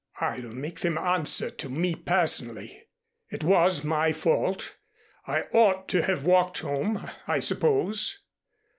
"I'll make them answer to me personally. It was my fault. I ought to have walked home, I suppose."